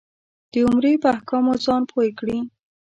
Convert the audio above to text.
د عمرې په احکامو ځان پوی کړې.